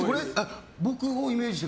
僕をイメージして？